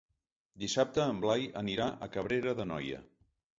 Dissabte en Blai anirà a Cabrera d'Anoia.